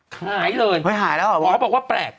ขายเลย